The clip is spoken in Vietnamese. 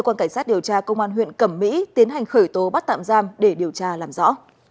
quan cảnh sát điều tra công an huyện cẩm mỹ tiến hành khởi tố bắt tạm giam để điều tra làm rõ